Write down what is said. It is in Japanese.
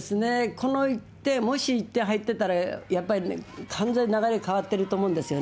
この、もし１点入ってたら、やっぱり完全に流れ変わってると思うんですよ。